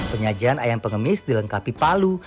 penyajian ayam pengemis dilengkapi palu